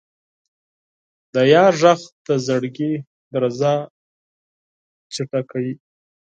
د یار ږغ د زړګي درزا چټکوي.